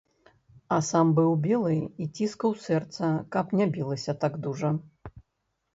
А сам быў белы і ціскаў сэрца, каб не білася так дужа.